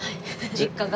実家が？